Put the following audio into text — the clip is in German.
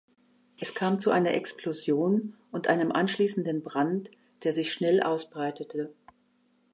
Es kam zu einer Explosion und einem anschließenden Brand, der sich schnell ausbreitete.